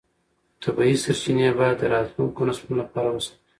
طبیعي سرچینې باید د راتلونکو نسلونو لپاره وساتو